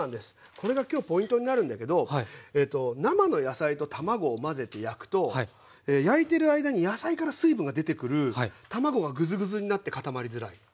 これが今日ポイントになるんだけど生の野菜と卵を混ぜて焼くと焼いてる間に野菜から水分が出てくる卵がグズグズになって固まりづらい。